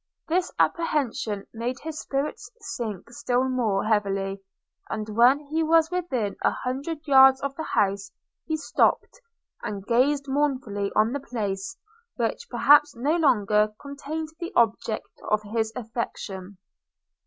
This apprehension made his spirits sink still more heavily; and when he was within an hundred yards of the house, he stopped, and gazed mournfully on the place, which perhaps no longer contained the object of his affection.